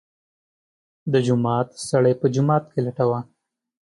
د جومات سړی په جومات کې لټوه.